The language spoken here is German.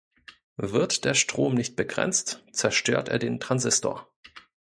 Wird der Strom nicht begrenzt, zerstört er den Transistor.